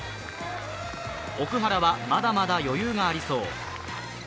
奥原はまだまだ余裕がありそう。